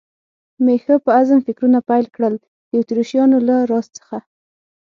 مې ښه په عزم فکرونه پیل کړل، د اتریشیانو له راز څخه.